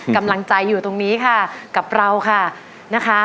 กำลังใจอยู่ตรงนี้ค่ะกับเราค่ะนะคะ